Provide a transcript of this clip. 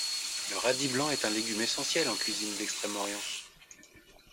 Le radis blanc est un légume essentiel en cuisine d'Extrême-Orient.